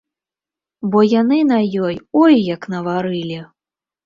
Бо яны на ёй ой як наварылі.